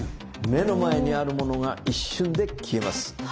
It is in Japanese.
目の前にあるものが一瞬で消えます。